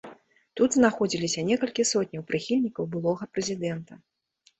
Тут знаходзіліся некалькі сотняў прыхільнікаў былога прэзідэнта.